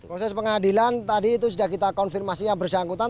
proses pengadilan tadi itu sudah kita konfirmasi yang bersangkutan